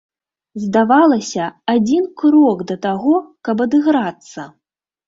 Здавалася, адзін крок да таго, каб адыграцца!